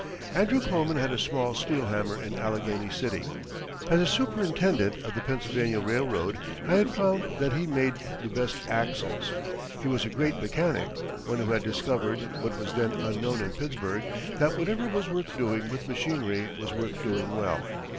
] Andrew Kloman had a small steel hammer in Allegheny City. As a superintendent of the Pennsylvania Railroad I had found that he made the best axles. He was a great mechanic one who had discovered, what was then unknown in Pittsburgh, that whatever was worth doing with machinery was worth doing well.